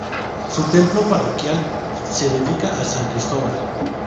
Su templo parroquial se dedica a San Cristobal.